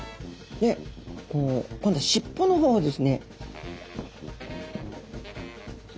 で今度尻尾の方をですね。